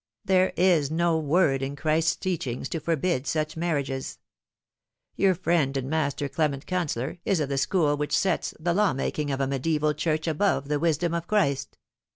There is no word in Christ's teaching to forbid such marriages. Your friend and master, Clement Canceller, is of the school which sets the law making of a mediseval Church above the wisdom of Christ.